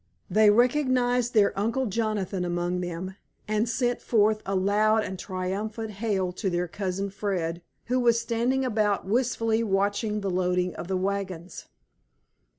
They recognized their Uncle Jonathan among them, and sent forth a loud and triumphant hail to their Cousin Fred, who was standing about wistfully watching the loading of the wagons.